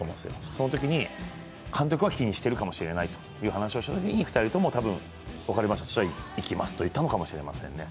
そのときに、監督は気にしてるかもしれないというときに、２人とも多分じゃあいきますといったのかもしれませんね。